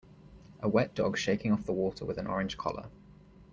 A wet dog shaking off the water with an orange collar.